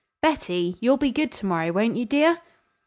"Betty! You'll be good to morrow, won't you, dear?"